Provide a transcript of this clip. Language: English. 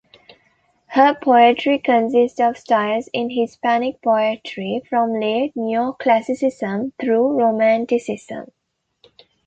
Her poetry consists of styles in Hispanic poetry from late neoclassicism through romanticism.